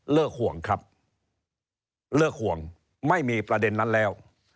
ห่วงครับเลิกห่วงไม่มีประเด็นนั้นแล้ว